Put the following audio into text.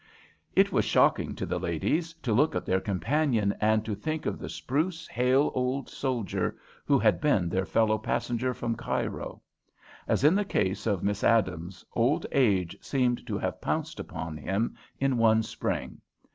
It was shocking to the ladies to look at their companion and to think of the spruce, hale old soldier who had been their fellow passenger from Cairo. As in the case of Miss Adams, old age seemed to have pounced upon him in one spring.